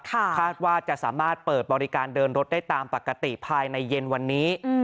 คาดว่าจะสามารถเปิดบริการเดินรถได้ตามปกติภายในเย็นวันนี้